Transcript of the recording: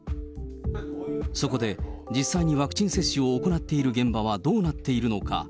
そこで実際にワクチン接種を行っている現場はどうなっているのか。